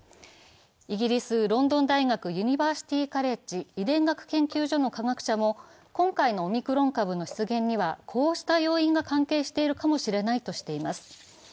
イギリス、ロンドン大学ユニバーシティーカレッジ遺伝学研究所の科学者も今回のオミクロン株の出現にはこうした要因が関係しているかもしれないとしています。